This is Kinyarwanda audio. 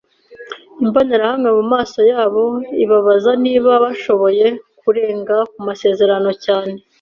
imbonerahamwe mu maso yabo, ibabaza niba bashoboye kurenga ku masezerano cyane